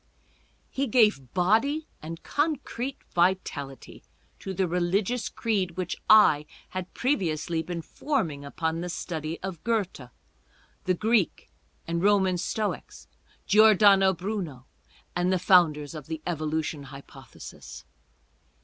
He gave body and concrete vitality to the religious creed which I had previously been forming upon the study of Goethe, the Greek and Roman Stoics, Giordano Bruno, and the founders of the Evolution hypothesis.